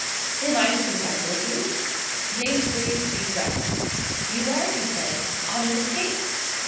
"Am I to congratulate you?" James breathed a deep breath. "You are!" he said. "On an escape!"